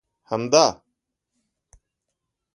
همدا!